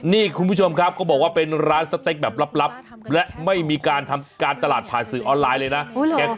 นี่คุณผู้ชมครับเขาบอกว่าเป็นร้านสเต็กแบบลับและไม่มีการทำการตลาดผ่านสื่อออนไลน์เลยนะ